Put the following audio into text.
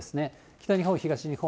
北日本、東日本。